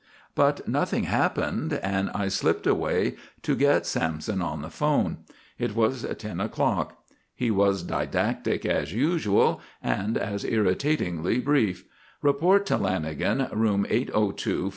But nothing happened and I slipped away to get Sampson on the 'phone. It was ten o'clock. He was didactic as usual, and as irritatingly brief: "Report to Lanagan. Room 802 Fairmont.